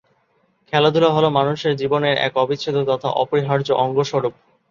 খেলাধুলা হল মানুষের জীবনের এক অবিচ্ছেদ্য তথা অপরিহার্য অঙ্গস্বরূপ।